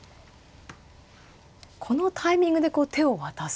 このタイミングで手を渡す。